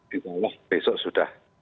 bisa lah besok sudah